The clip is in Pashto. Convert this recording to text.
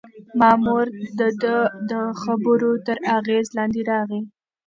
مامور د ده د خبرو تر اغېز لاندې راغی.